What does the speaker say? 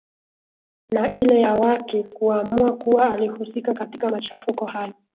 na ile ya waki kuamua kuwa alihusika katika machafuko hayo